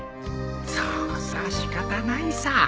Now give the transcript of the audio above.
そうさ仕方ないさ